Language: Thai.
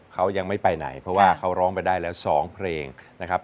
เขายังไม่ไปไหนเพราะว่าเขาร้องไปได้แล้ว๒เพลงนะครับ